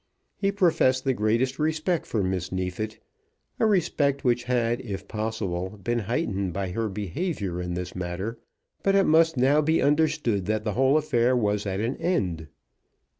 He professed the greatest respect for Miss Neefit, a respect which had, if possible, been heightened by her behaviour in this matter, but it must now be understood that the whole affair was at an end.